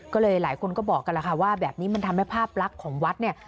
ก็เลยหลายคนก็บอกกันแล้วค่ะว่าแบบนี้มันทำให้ภาพลักษณ์ของวัดเนี่ย